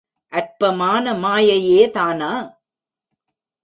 அற்பமான மாயை யேதானா?